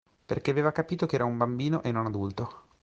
Perché aveva capito che era un bambino e non adulto.